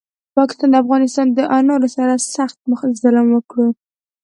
پاکستاد د افغانستان دانارو سره سخت ظلم وکړو